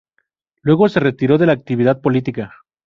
Luego, se retiró de la actividad política.